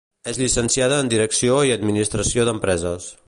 És llicenciada en Direcció i administració d'empreses.